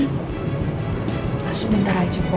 nah sebentar aja bu